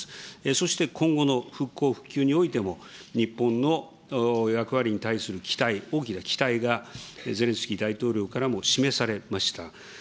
そして今後の復興・復旧においても、日本の役割に対する期待、大きな期待がゼレンスキー大統領からも示されました。